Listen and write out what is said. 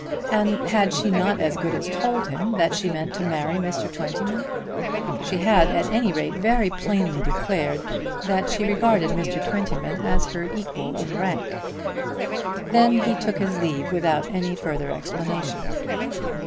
And had she not as good as told him that she meant to marry Mr. Twentyman? She had at any rate very plainly declared that she regarded Mr. Twentyman as her equal in rank. Then he took his leave without any further explanation.